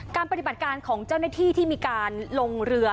ปฏิบัติการของเจ้าหน้าที่ที่มีการลงเรือ